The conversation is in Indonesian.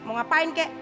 mau ngapain kek